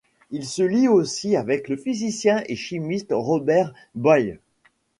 Il se lie aussi avec le physicien et chimiste Robert Boyle.